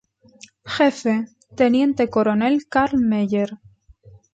Jefe: Teniente coronel Karl Meyer.